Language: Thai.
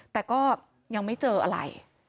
แต่ก็ยังไม่เจออะไร